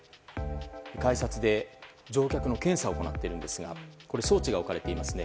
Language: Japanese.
改札で乗客の検査を行っているんですが装置が置かれていますね。